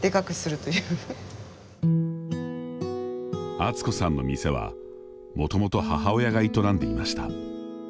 敦子さんの店は、もともと母親が営んでいました。